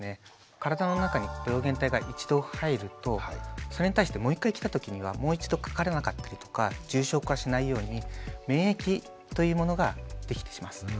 体の中に病原体が一度入るとそれに対してもう一回来た時にはもう一度かからなかったりとか重症化しないように「免疫」というものができてきます。